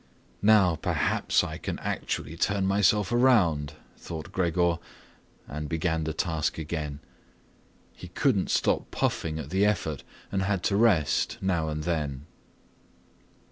"Now perhaps I can actually turn myself around," thought Gregor and began the task again. He couldn't stop puffing at the effort and had to rest now and then.